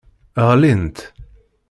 Ɣlint.